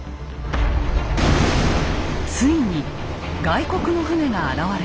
ついに外国の船が現れます。